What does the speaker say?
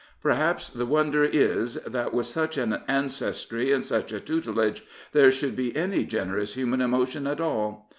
Perhaps the wonder is that, with such an ancestry and such a tutelage, there should be any generous human emotion at all.